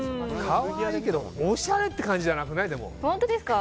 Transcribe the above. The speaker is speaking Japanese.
可愛いけどおしゃれって感じじゃなくない？